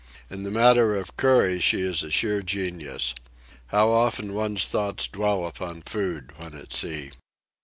In the matter of curry she is a sheer genius. How often one's thoughts dwell upon food when at sea!